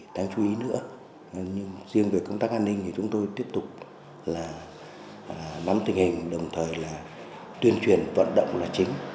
đáng chú ý nữa riêng về công tác an ninh thì chúng tôi tiếp tục là nắm tình hình đồng thời là tuyên truyền vận động là chính